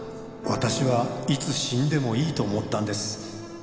「私はいつ死んでもいいと思ったんです」